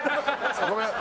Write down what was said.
ごめん。